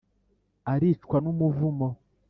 aricwa n'umuvumo,